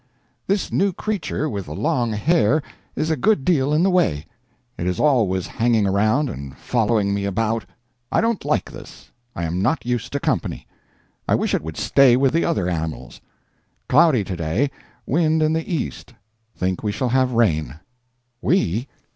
This new creature with the long hair is a good deal in the way. It is always hanging around and following me about. I don't like this; I am not used to company. I wish it would stay with the other animals.... Cloudy today, wind in the east; think we shall have rain.... _We?